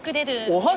お箸？